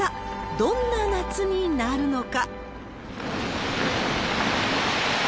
どんな夏になるのか。